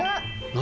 何？